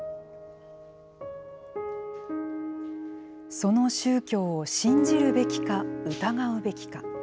その宗教を信じるべきか、疑うべきか。